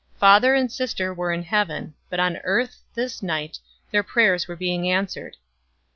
Father and sister were in heaven, but on earth, this night, their prayers were being answered.